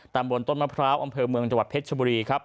บนต้นมะพร้าวอำเภอเมืองจังหวัดเพชรชบุรีครับ